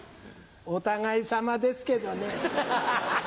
お互いさまですけどね。